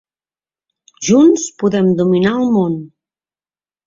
Junts, podem dominar el món!